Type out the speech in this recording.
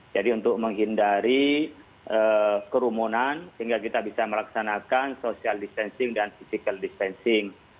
jadi untuk menghindari kerumunan sehingga kita bisa melaksanakan social distancing dan physical distancing